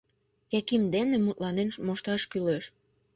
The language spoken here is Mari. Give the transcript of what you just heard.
— Яким дене мутланен мошташ кӱлеш.